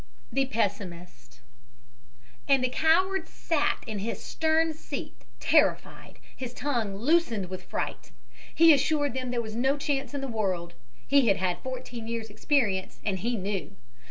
THE PESSIMIST And the coward sat in his stern seat, terrified, his tongue loosened with fright. He assured them there was no chance in the world. He had had fourteen years' experience, and he knew.